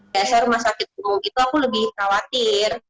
sejak rumah sakit itu aku lebih khawatir